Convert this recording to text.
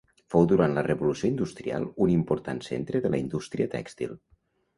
Fou durant la Revolució industrial un important centre de la indústria tèxtil.